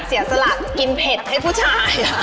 เสียสละกินเผ็ดให้ผู้ชาย